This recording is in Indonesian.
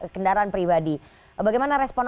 kendaraan pribadi bagaimana respon